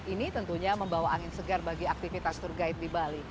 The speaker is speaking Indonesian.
ini tentunya membawa angin segar bagi aktivitas tour guide di bali